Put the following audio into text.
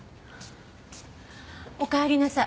おかえりなさい。